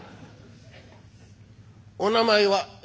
「お名前は？」。